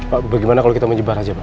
pak bagaimana kalau kita menyebar saja pak